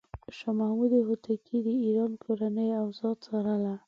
شاه محمود هوتکی د ایران کورنۍ اوضاع څارله.